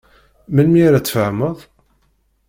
Melmi ara tfehmeḍ?